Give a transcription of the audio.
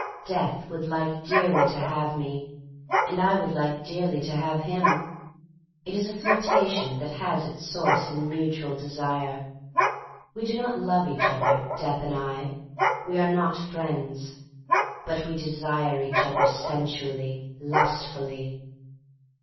Death would like dearly to have me, and I would like dearly to have him. It is a flirtation that has its source in mutual desire. We do not love each other. Death and I, — we are not friends. But we desire each other sensually, lustfully.